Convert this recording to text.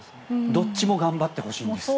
どっちも頑張ってほしいです。